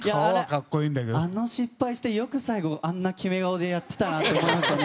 あの失敗して、よく最後あんなキメ顔でやってたなって思いましたね